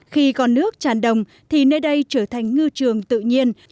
khi còn nước tràn đồng thì nơi đây trở thành ngư trường tự nhiên